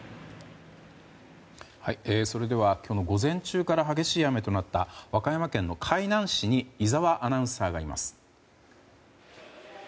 それでは、今日の午前中から激しい雨となった和歌山県海南市に井澤アナウンサーがいます。